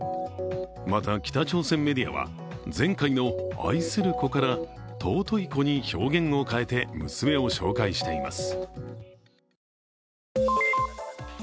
また、北朝鮮メディアは前回の「愛する子」から「尊い子」に表現を変えて娘を紹介しています。